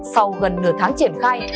sau gần nửa tháng triển khai